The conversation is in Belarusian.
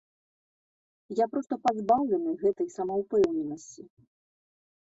Я проста пазбаўлены гэтай самаўпэўненасці.